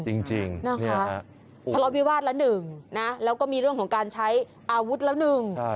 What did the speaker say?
ธรรพิวาทละหนึ่งแล้วก็มีเรื่องของการใช้อาวุธละหนึ่ง